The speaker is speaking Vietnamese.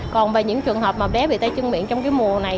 còn về những trường hợp mà bé bị tay chân miệng trong mùa này